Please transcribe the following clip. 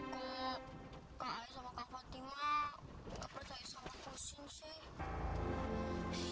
kalo kak ayah sama kak fatima gak percaya sama husein sih